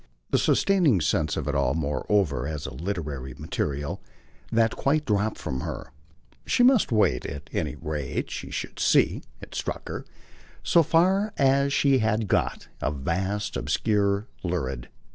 The sustaining sense of it all moreover as literary material that quite dropped from her. She must wait, at any rate, she should see: it struck her, so far as she had got, as vast, obscure, lurid.